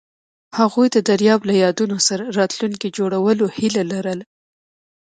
هغوی د دریاب له یادونو سره راتلونکی جوړولو هیله لرله.